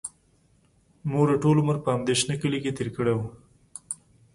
مور یې ټول عمر په همدې شنه کلي کې تېر کړی و